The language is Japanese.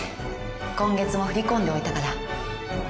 今月も振り込んでおいたから。